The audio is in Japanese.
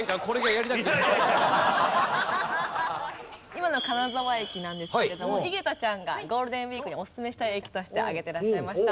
今の金沢駅なんですけれども井桁ちゃんがゴールデンウィークにおすすめしたい駅として挙げていらっしゃいました。